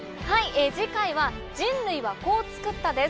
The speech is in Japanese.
次回は「人類はこう作った」です。